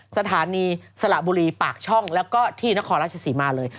สถานีสละบุรีปากช่องแล้วก็ที่นครราชศรีมาเลย